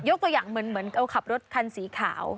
ตัวอย่างเหมือนเขาขับรถคันสีขาว